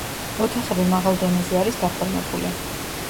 ოთახები მაღალ დონეზე არის გაფორმებული.